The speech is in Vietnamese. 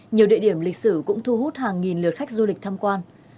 nhiều địa điểm lịch sử cũng thu hút hàng nghìn lượt khách du lịch tham quan